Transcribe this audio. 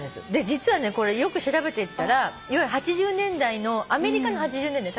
実はねこれよく調べていったらいわゆる８０年代のアメリカの８０年代。